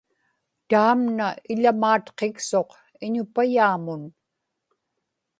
taamna iḷamaatqiksuq iñupayaamun